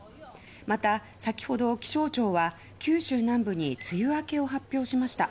また、先ほど気象庁は九州南部に梅雨明けを発表しました。